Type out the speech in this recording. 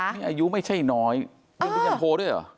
อายุไม่ใช่น้อยเรียนปริญญาโทด้วยเหรอ